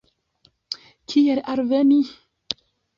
Kiel alveni?